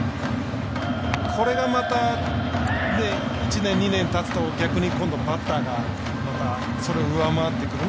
これがまた、１年２年たつと逆にバッターがまた、それを上回ってくる。